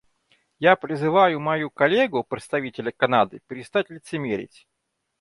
Я призываю мою коллегу, представителя Канады, перестать лицемерить.